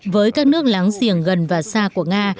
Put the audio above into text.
với các nước láng giềng gần và xa của nga